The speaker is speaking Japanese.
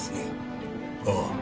ああ。